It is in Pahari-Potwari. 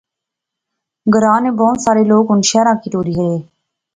گراں نے بہوں سارے لوک ہُن شہراں کیا ٹُری غئے